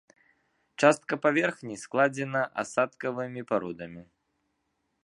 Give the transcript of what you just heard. Частка паверхні складзена асадкавымі пародамі.